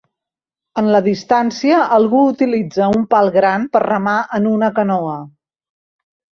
En la distància, algú utilitza un pal gran per remar en una canoa.